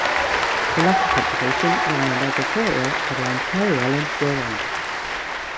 The latter publication ran an editorial headlined "Mary Ellen, You're Wrong".